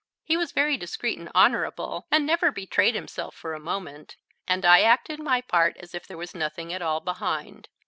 He was very discreet and honourable, and never betrayed himself for a moment, and I acted my part as if there was nothing at all behind.